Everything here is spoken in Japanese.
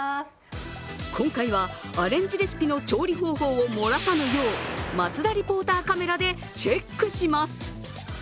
今回はアレンジレシピの調理方法を漏らさぬよう、松田リポーターカメラでチェックします。